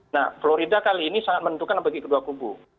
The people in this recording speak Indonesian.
nah florida kali ini sangat menentukan bagi kedua kubu